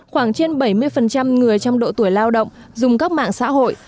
khoảng trên bảy mươi người trong độ tuổi lao động dùng các mạng xã hội